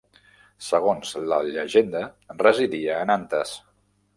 Segons la llegenda residia a Nantes.